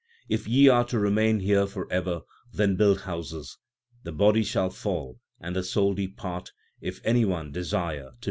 If ye are to remain here for ever, then build houses. The body shall fall and the soul depart, if any one desire to know the truth.